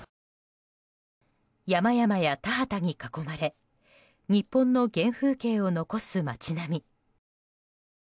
山々や田畑に囲まれ日本の原風景を残す街並み。